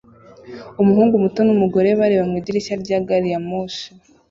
Umuhungu muto numugore bareba mu idirishya rya gari ya moshi